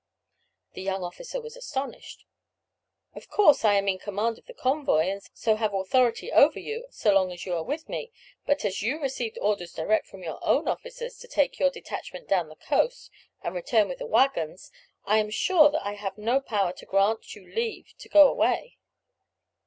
The young officer was astonished. "Of course I am in command of the convoy, and so have authority over you so long as you are with me; but as you received orders direct from your own officers to take your detachment down to the coast, and return with the waggons, I am sure that I have no power to grant you leave to go away."